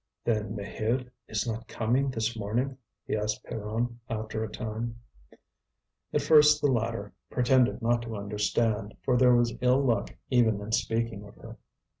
"Then Maheude is not coming this morning?" he asked Pierron after a time. At first the latter pretended not to understand, for there was ill luck even in speaking of her.